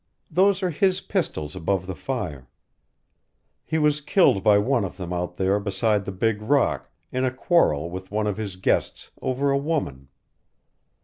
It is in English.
Those are his pistols above the fire. He was killed by one of them out there beside the big rock, in a quarrel with one of his guests over a woman.